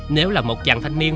nếu là một chàng thanh niên